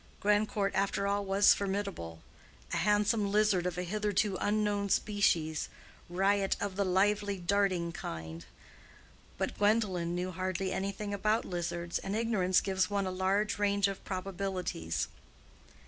Grandcourt after all was formidable—a handsome lizard of a hitherto unknown species, not of the lively, darting kind. But Gwendolen knew hardly anything about lizards, and ignorance gives one a large range of probabilities.